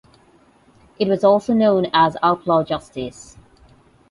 It was also known as Outlaw Justice.